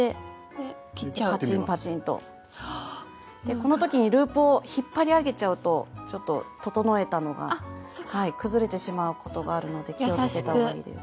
この時にループを引っ張り上げちゃうとちょっと整えたのが崩れてしまうことがあるので気をつけたほうがいいです。